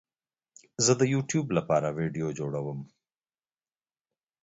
زه د یوټیوب لپاره ویډیو جوړوم